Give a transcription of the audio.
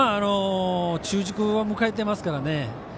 中軸を迎えていますからね。